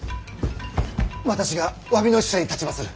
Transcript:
私が詫びの使者に立ちまする。